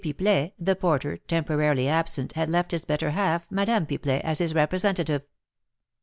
Pipelet, the porter, temporarily absent, had left his better half, Madame Pipelet, as his representative.